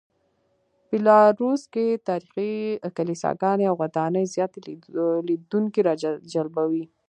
بیلاروس کې تاریخي کلیساګانې او ودانۍ زیاتې لیدونکي راجلبوي.